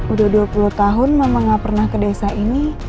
udah dua puluh tahun mama gak pernah ke desa ini